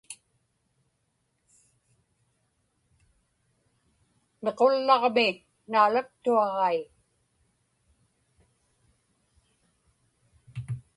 Miqullaġmi naalaktuaġai.